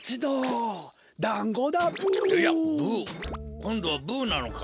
こんどはブなのか？